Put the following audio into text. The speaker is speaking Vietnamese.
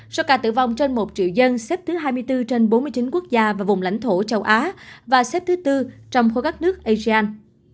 số ca tử vong trên một triệu dân xếp thứ hai mươi bốn trên bốn mươi chín quốc gia và vùng lãnh thổ châu á và xếp thứ tư trong khối các nước asean